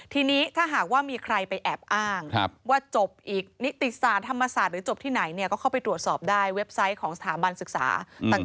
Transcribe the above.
ทีนี้ถ้าหากว่ามีใครไปแอบอ้างว่าจบอีกนิติศาสตร์ธรรมศาสตร์หรือจบที่ไหนเนี่ยก็เข้าไปตรวจสอบได้เว็บไซต์ของสถาบันศึกษาต่าง